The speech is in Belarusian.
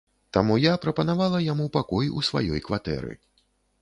Таму я прапанавала яму пакой у сваёй кватэры.